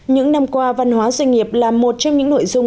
những năm qua văn hóa doanh nghiệp là một trong những nội dung